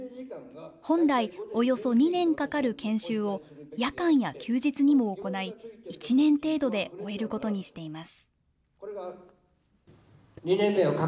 本来、およそ２年かかる研修を、夜間や休日にも行い、１年程度で終えることにしています。